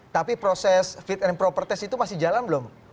tapi proses fit and proper test itu masih jalan belum